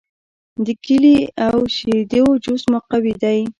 د کیلې او شیدو جوس مقوي دی.